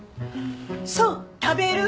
そう食べる？